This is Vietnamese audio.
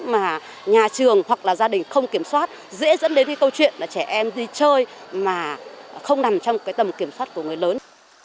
mà nhà trường hoặc là gia đình không kiểm soát dễ dẫn đến cái câu chuyện là trẻ em đi chơi mà không nằm trong cái tầm kiểm soát của người lớn